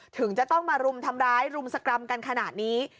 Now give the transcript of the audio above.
ถึงจะต้องมารุมทำร้ายรุมสกรรมกันขนาดนี้